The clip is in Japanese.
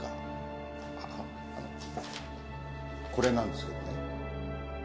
あのこれなんですけどね。